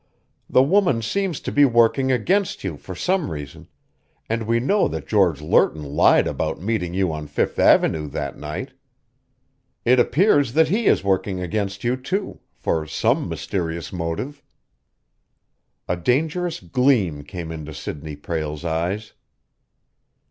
"The woman seems to be working against you for some reason, and we know that George Lerton lied about meeting you on Fifth Avenue that night. It appears that he is working against you, too, for some mysterious motive." A dangerous gleam came into Sidney Prale's eyes.